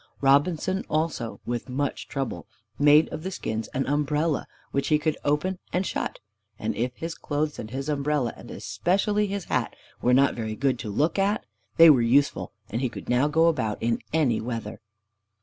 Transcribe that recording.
Robinson also, with much trouble, made of the skins an umbrella which he could open and shut; and if his clothes and his umbrella, and especially his hat, were not very good to look at, they were useful, and he could now go about in any weather.